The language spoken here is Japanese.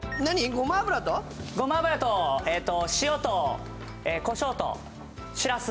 ごま油とごま油と塩とコショウとしらす